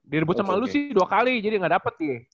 di rebut cema lu sih dua kali jadi nggak dapet dia